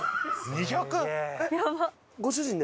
２００！？